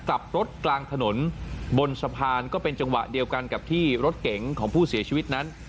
กลับรถกลางถนนบนสะพานก็เป็นจังหวะเดียวกันกับที่รถเก๋งของผู้เสียชีวิตนั้น